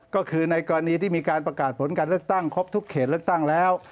ก็คือในกรณีที่มีการประกาศผลการเลือกตั้งครบทุกเขตเลือกตั้งแล้ว